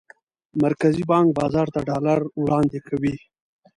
مرکزي بانک بازار ته ډالر وړاندې کوي.